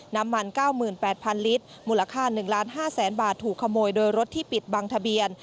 น้ำมัน๙๘๐๐ลิตรมูลค่า๑๕๐๐๐๐บาทถูกขโมยโดยรถที่ปิดบังทะเบียน